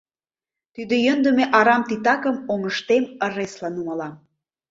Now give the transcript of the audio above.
Тиде йӧндымӧ арам титакым Оҥыштем ыресла нумалам.